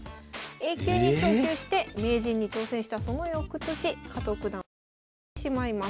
Ａ級に昇級してええ⁉名人に挑戦したそのよくとし加藤九段は降級してしまいます。